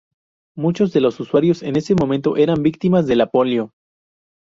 Muchos de los usuarios en ese momento eran víctimas de la polio.